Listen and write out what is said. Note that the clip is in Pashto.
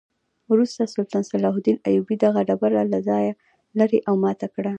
وروسته سلطان صلاح الدین ایوبي دغه ډبره له دې ځایه لرې او ماته کړه.